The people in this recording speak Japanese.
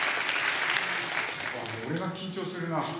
俺が緊張するな。